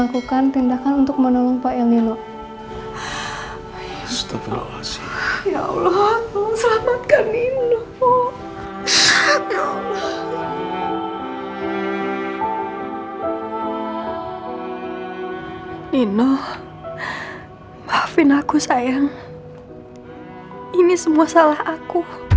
kondisi pak el nino memburuk